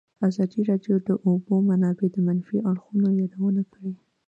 ازادي راډیو د د اوبو منابع د منفي اړخونو یادونه کړې.